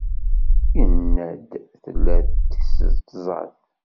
Yenna-d tella d tis tẓat.